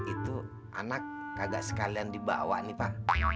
itu anak kakak sekalian dibawa nih pak